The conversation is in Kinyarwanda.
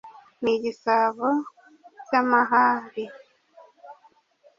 ni igisabo cy'amahari